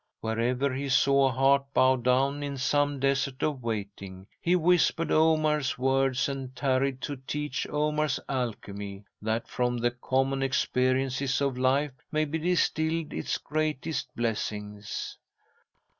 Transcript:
Wherever he saw a heart bowed down in some Desert of Waiting, he whispered Omar's words and tarried to teach Omar's alchemy, that from the commonest experiences of life may be distilled its greatest blessings.